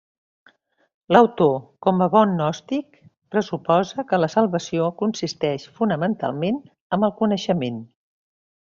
L'autor, com a bon gnòstic, pressuposa que la salvació consisteix fonamentalment amb el coneixement.